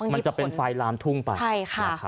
มันจะเป็นไฟลามทุ่งไป